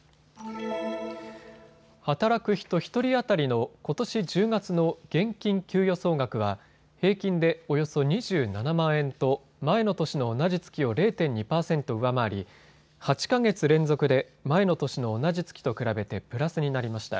働く人１人当たりのことし１０月の現金給与総額は平均でおよそ２７万円と前の年の同じ月を０．２％上回り８か月連続で前の年の同じ月と比べてプラスになりました。